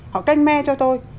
họ canh me cho tôi